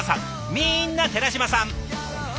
みんな寺島さん。